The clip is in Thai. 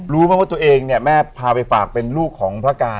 รู้ไหมว่าตัวเองเนี่ยแม่พาไปฝากเป็นลูกของพระการ